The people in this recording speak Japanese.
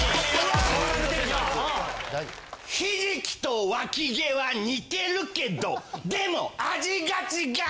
ひじきとわき毛は似てるけどでも味が違う！